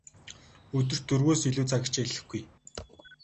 Өдөрт дөрвөөс илүү цаг хичээллэхгүй.